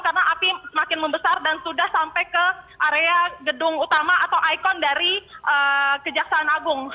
karena api semakin membesar dan sudah sampai ke area gedung utama atau ikon dari kejaksaan agung